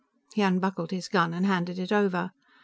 He unbuckled his gun and handed it over.